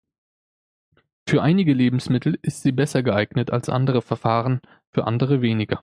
Für einige Lebensmittel ist sie besser geeignet als andere Verfahren, für andere weniger.